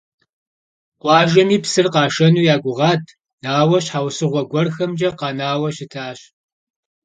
Къуажэми псыр къашэну ягугъат, ауэ щхьэусыгъуэ гуэрхэмкӀэ къэнауэ щытащ.